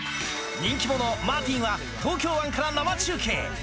人気者、マーティンは東京湾から生中継。